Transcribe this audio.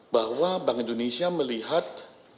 bahwa bank indonesia melihat